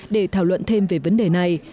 để thảo luận thêm về vấn đề này